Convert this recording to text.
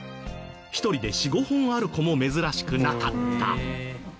１人で４５本ある子も珍しくなかった。